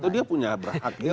dia punya hak